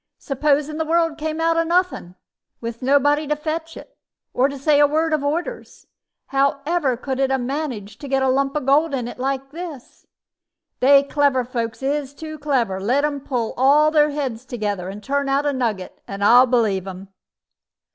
Supposin' the world come out o' nothing, with nobody to fetch it, or to say a word of orders, how ever could it 'a managed to get a lump of gold like this in it? They clever fellers is too clever. Let 'em put all their heads together, and turn out a nugget, and I'll believe them."